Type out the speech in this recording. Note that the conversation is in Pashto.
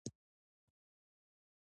هره ژبه له پردیو اغېزمنېږي.